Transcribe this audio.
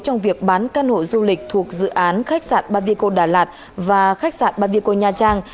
trong việc bán căn hộ du lịch thuộc dự án khách sạn bavico đà lạt và khách sạn bavico nha trang